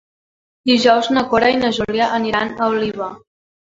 Dijous na Cora i na Júlia aniran a Oliva.